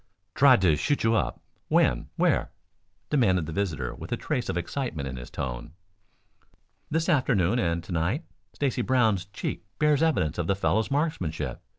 "Tried to shoot you up? When? Where?" demanded the visitor with a trace of excitement in his tone. "This afternoon and to night. Stacy Brown's cheek bears evidence of the fellow's marksmanship.